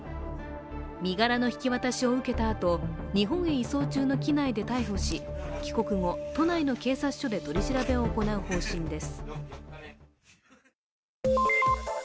身柄の引き渡しを受けたあと、日本へ移送中の機内で逮捕し帰国後、都内の警察署で取り調べを行う方針です。